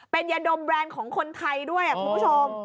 เป็นยาดมแบรนด์ของคนไทยด้วยคุณผู้ชม